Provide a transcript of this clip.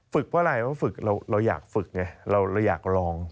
เพราะอะไรเพราะฝึกเราอยากฝึกไงเราอยากลอง